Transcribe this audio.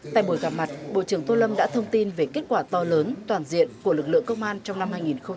tại buổi gặp mặt bộ trưởng tô lâm đã thông tin về kết quả to lớn toàn diện của lực lượng công an trong năm hai nghìn hai mươi ba